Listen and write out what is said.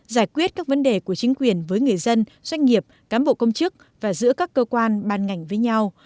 giải quyết các vấn đề của chính quyền với người dân doanh nghiệp cán bộ công chức và giữa các cơ quan ban ngành với nhau